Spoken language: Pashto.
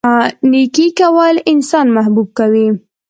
نیکي کول انسان محبوب کوي.